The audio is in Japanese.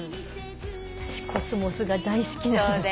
私コスモスが大好きなの。